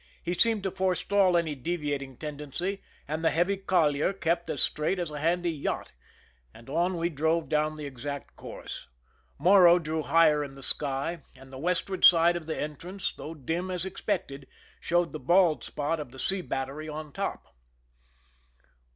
He seemed to forestall any deviating tendency, and the heavy collier kept as straight as a handy yacht, and on we drove down the exact course. Morro drew higher in the sky, and the western side of the entrance, though dim as expected, showed the bald spot of the sea battery on top.